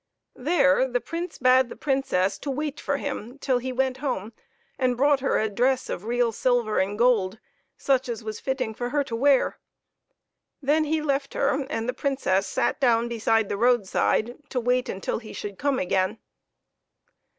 There the Prince bade the Princess to wait for him till he went home and brought her a dress of real silver and gold, such as was fitting for her to wear. Then he left her, and the Princess sat down beside the roadside to wait until he should come again.